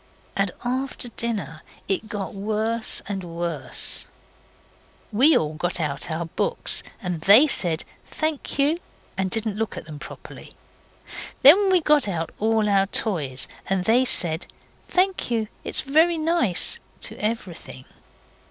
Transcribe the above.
And after dinner it got worse and worse. We got out all our books and they said 'Thank you', and didn't look at them properly. And we got out all our toys, and they said 'Thank you, it's very nice' to everything.